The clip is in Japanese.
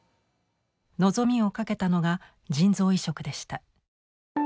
望みをかけたのが腎臓移植でした。